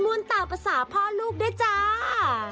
มุนตามภาษาพ่อลูกได้จ้า